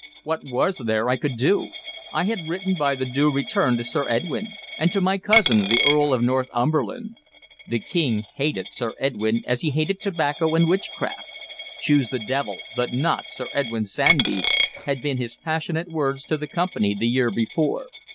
What was there I could do? I had written by the Due Return to Sir Edwyn, and to my cousin, the Earl of Northumberland. The King hated Sir Edwyn as he hated tobacco and witchcraft. "Choose the devil, but not Sir Edwyn Sandys!" had been his passionate words to the Company the year before.